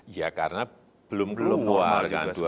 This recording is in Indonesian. ya karena belum keluar